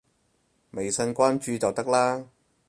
微信關注就得啦